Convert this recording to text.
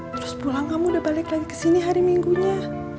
terus pulang kamu udah balik lagi kesini hari minggunya